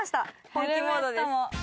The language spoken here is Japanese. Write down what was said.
本気モードです。